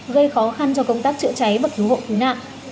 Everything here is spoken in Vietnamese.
gây khó khăn cho công tác chữa cháy và cứu hộ cứu nạn